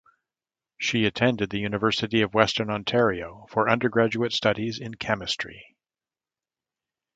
She attended the University of Western Ontario for undergraduate studies in chemistry.